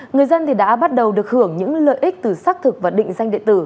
người dân thì đã bắt đầu được hưởng những lợi ích từ xác thực và định danh địa tử